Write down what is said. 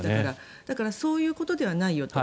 だからそういうことではないよと。